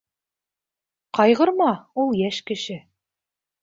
— Ҡайғырма, ул йәш кеше.